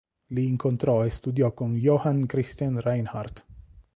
Lì incontrò e studiò con Johann Christian Reinhart.